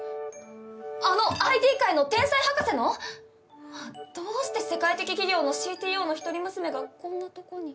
あのＩＴ界の天才博士の⁉どうして世界的企業のＣＴＯの一人娘がこんなとこに。